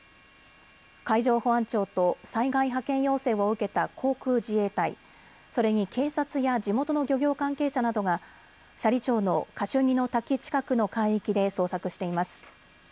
海上保安庁と災害派遣要請を受けた航空自衛隊、それに警察や地元の漁業関係者などが斜里町のカシュニの滝近くの海域で捜索しています。